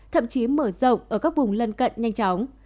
thậm chí mở rộng ở các vùng lân cận nhanh chóng